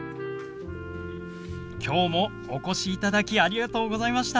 今日もお越しいただきありがとうございました。